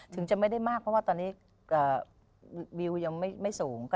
ถึงจะไม่มากเพราะว่าวิวยังไม่สูง